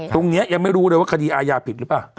ยังไม่รู้เลยว่าคดีอาญาผิดหรือเปล่า